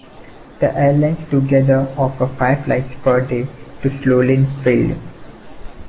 The airlines together offer five flights per day to Sloulin Field.